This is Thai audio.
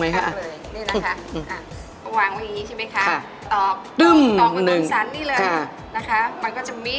นี้มาจากลูกค้าต่างชาติ